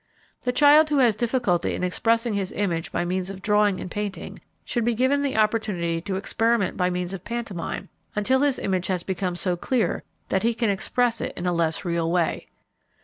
The child who has difficulty in expressing his image by means of drawing and painting should be given the opportunity to experiment by means of pantomime until his image has become so clear that he can express it in a less real way.